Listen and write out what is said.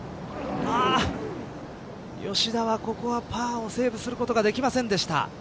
吉田はここはパーをセーブすることができませんでした。